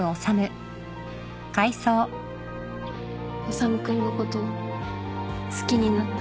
修君のこと好きになった